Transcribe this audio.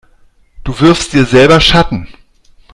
Du wirfst dir selber Schatten.